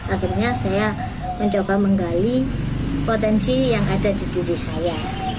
akhirnya saya mencoba menggali potensi yang ada di diri saya